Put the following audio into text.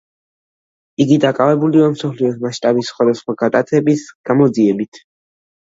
იგი დაკავებულია მსოფლიოს მასშტაბით სხვადასხვა გატაცების გამოძიებით.